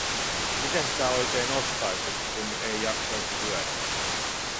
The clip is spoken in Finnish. Mitä sitä oikein ostaisi, kun ei jaksaisi syödä?